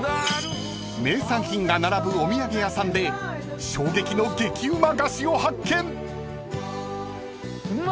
［名産品が並ぶお土産屋さんで衝撃の激うま菓子を発見］